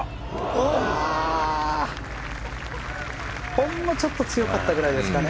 ほんのちょっと強かったくらいですかね。